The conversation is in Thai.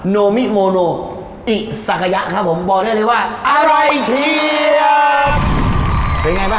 โนมิโมโนอิศักยะครับผมบอกได้เลยว่าอะไรเชียด